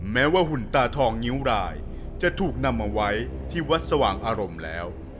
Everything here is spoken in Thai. แม้ว่าหุ่นตาทองนิ้วรายจะถูกนำมาไว้ที่วัดสว่างอารมณ์แล้ว